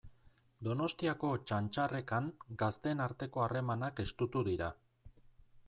Donostiako Txantxarrekan gazteen arteko harremanak estutu dira.